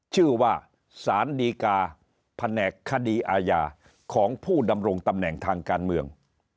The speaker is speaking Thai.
ชื่อว่าสารดีกาแผนกคดีอาญาของผู้ดำรงตำแหน่งทางการเมือง